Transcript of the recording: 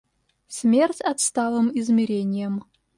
Смерть отсталым измереньям!